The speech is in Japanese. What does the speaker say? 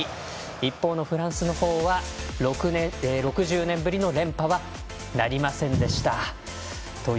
一方のフランスは６０年ぶりの連覇はなりませんでした。